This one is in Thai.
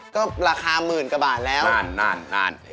ก็ราคามื่นกว่าบาทแล้วนานเห็นไหมครับ